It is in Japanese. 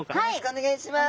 お願いします。